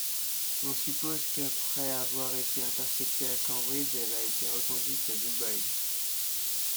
On suppose qu'après avoir été interceptée à Cambridge elle a été reconduite à Dubaï.